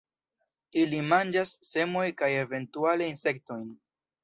Ili manĝas semojn kaj eventuale insektojn.